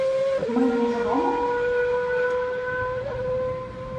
Мый мужыр омыл?